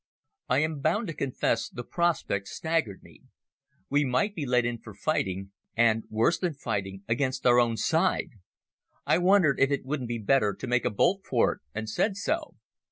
I am bound to confess the prospect staggered me. We might be let in for fighting—and worse than fighting—against our own side. I wondered if it wouldn't be better to make a bolt for it, and said so.